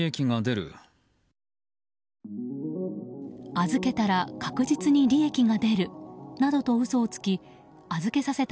預けたら確実に利益が出るなどと嘘をつき預けさせた